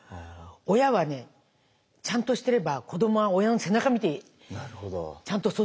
親はねちゃんとしてれば子どもは親の背中見てちゃんと育ちますから。